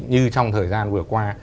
như trong thời gian vừa qua